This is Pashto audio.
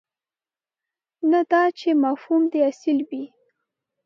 نه دا چې مفهوم دې اصل وي.